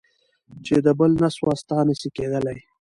چي د بل نه سوه. ستا نه سي کېدلی.